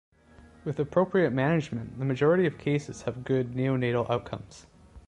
With appropriate management, the majority of cases have good neonatal outcomes.